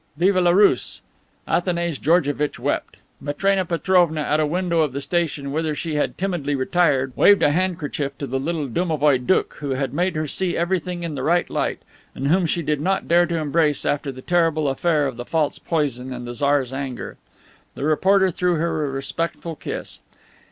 Vive la Russe!" Athanase Georgevitch wept. Matrena Petrovna, at a window of the station, whither she had timidly retired, waved a handkerchief to the little domovoi doukh, who had made her see everything in the right light, and whom she did not dare to embrace after the terrible affair of the false poison and the Tsar's anger. The reporter threw her a respectful kiss.